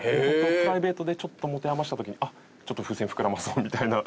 プライベートでちょっと持て余した時にあっちょっと風船膨らまそうみたいな。